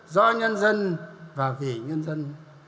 do nhân dân và vì nhân dân